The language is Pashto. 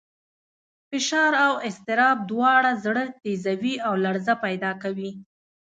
فشار او اضطراب دواړه زړه تېزوي او لړزه پیدا کوي.